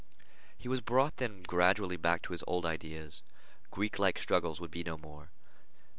He was brought then gradually back to his old ideas. Greeklike struggles would be no more.